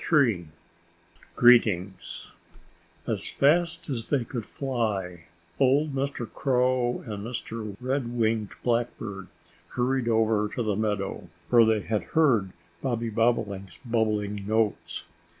III GREETINGS AS fast as they could fly, old Mr. Crow and Mr. Red winged Blackbird hurried over to the meadow, where they had heard Bobby Bobolink's bubbling notes.